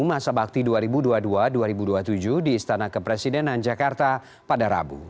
masa bakti dua ribu dua puluh dua dua ribu dua puluh tujuh di istana kepresidenan jakarta pada rabu